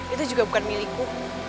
itu juga bukan milikku